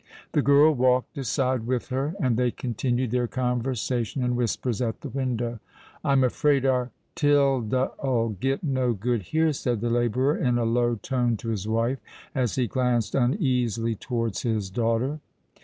The girl walked aside with her; and they continued their conversation in whispers at the window. "I'm afraid our Tilda'll get no good here," said the labourer, in a low tone, to his wife, as he glanced uneasily towards his daughter.